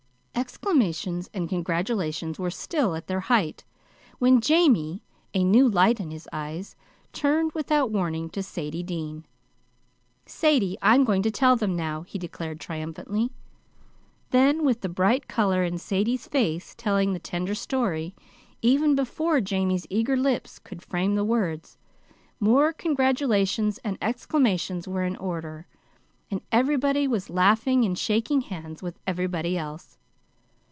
Exclamations and congratulations were still at their height, when Jamie, a new light in his eyes, turned without warning to Sadie Dean. "Sadie, I'm going to tell them now," he declared triumphantly. Then, with the bright color in Sadie's face telling the tender story even before Jamie's eager lips could frame the words, more congratulations and exclamations were in order, and everybody was laughing and shaking hands with everybody else.